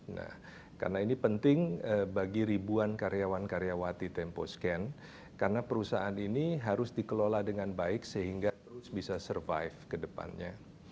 nah karena ini penting bagi ribuan karyawan karyawati temposcan karena perusahaan ini harus dikelola dengan baik sehingga terus bisa survive kedepannya